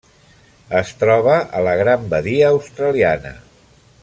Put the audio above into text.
Es troba a la Gran Badia Australiana.